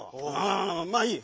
あまあいい。